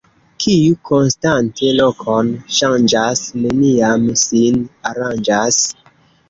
Kiu konstante lokon ŝanĝas, neniam sin aranĝas.